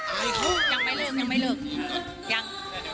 รีบพูดยังไม่เลิกยัง